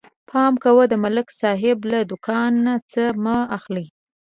پام کوئ د ملک صاحب له دوکان نه څه مه اخلئ